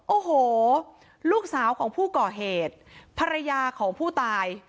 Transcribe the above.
โอ้โหลูกสาวของผู้ก่อเหตุภรรยาของผู้ตาย